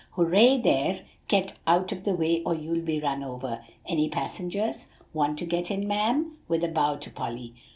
"Hooray, there get out of the way or you'll be run over! Any passengers? want to get in, ma'am?" with a bow to Polly.